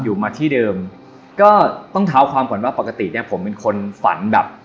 อยู่มาที่เดิมก็ต้องเท้าความก่อนว่าปกติเนี้ยผมเป็นคนฝันแบบ